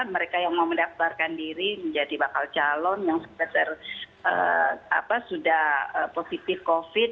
mereka yang mau mendaftarkan diri menjadi bakal calon yang sudah positif covid